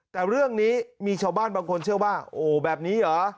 แต่เรื่องนี้มีชาวบ้านบางคนเชื่อว่าโอ้แบบนี้เหรอ